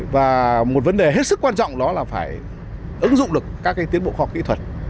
và một vấn đề hết sức quan trọng đó là phải ứng dụng được các tiến bộ khoa học kỹ thuật